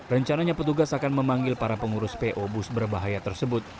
rencananya petugas akan memanggil para pengurus po bus berbahaya tersebut